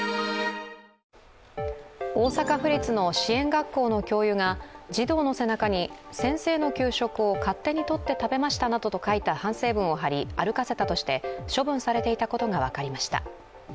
学校の教諭が児童の背中に先生の給食を勝手に取って食べましたなどと書いた反省文を貼り歩かせたとして、処分されていたことが分かりました。